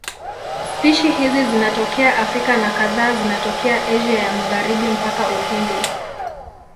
Spishi hizi zinatokea Afrika na kadhaa zinatokea Asia ya Magharibi mpaka Uhindi.